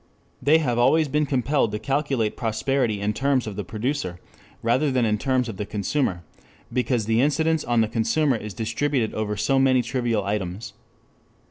They have always been compelled to calculate prosperity in terms of the producer rather than in terms of the consumer, because the incidence on the consumer is distributed over so many trivial items.